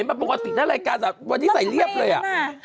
เห็นปะปกติในรายการวันนี้ใส่เรียบเลยอ่ะ